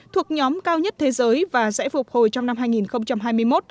thuộc nhóm cao nhất thế giới và sẽ phục hồi trong năm hai nghìn hai mươi một